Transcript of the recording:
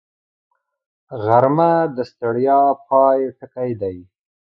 غرمه د ستړیا پای ټکی دی